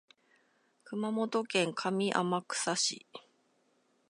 熊本県上天草市